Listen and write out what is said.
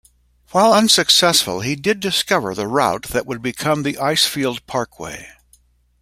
While unsuccessful, he did discover the route that would become the Icefield Parkway.